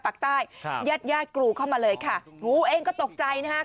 ปากใต้ครับญาติญาติกรูเข้ามาเลยค่ะงูเองก็ตกใจนะครับ